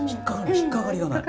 引っ掛かりがない。